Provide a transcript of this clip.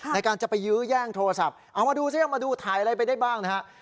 ในการจะไปยื้อแย่งโทรศัพท์เอามาดูซิเอามาดูถ่ายอะไรไปได้บ้างนะฮะ